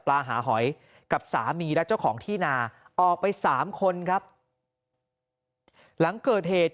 หาหอยกับสามีและเจ้าของที่นาออกไปสามคนครับหลังเกิดเหตุ